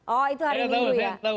oh itu hari minggu ya